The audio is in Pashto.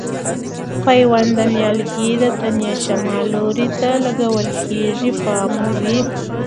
پیوند د نیالګي د تنې شمال لوري ته لګول کېږي پام مو وي.